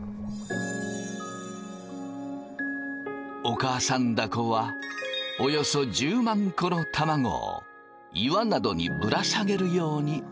お母さんだこはおよそ１０万個の卵を岩などにぶら下げるように産む。